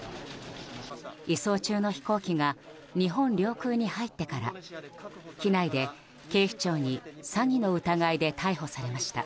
移送中の飛行機が日本領空に入ってから機内で、警視庁に詐欺の疑いで逮捕されました。